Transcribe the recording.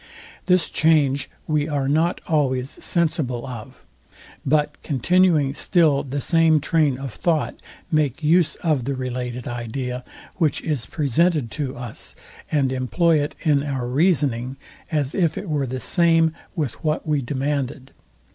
This change we are not always sensible of; but continuing still the same train of thought, make use of the related idea, which is presented to us, and employ it in our reasoning, as if it were the same with what we demanded.